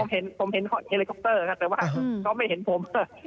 ผมเห็นผมเห็นเฮลิคอปเตอร์ครับแต่ว่าเขาไม่เห็นผม